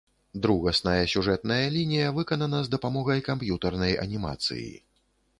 Другасная сюжэтная лінія выканана з дапамогай камп'ютарнай анімацыі.